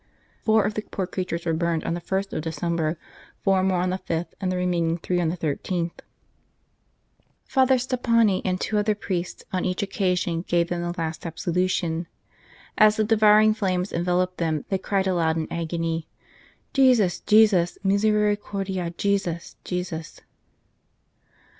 Four of the poor creatures were burned on the ist of December, four more on the 5th, and the remaining three on the I3th. Father Stoppani and two other priests on each 215 St. Charles Borromeo occasion gave them the last absolution. As the devouring flames enveloped them they cried aloud in agony, " Jesus ! Jesus ! Misericordia, Jesus ! Jesus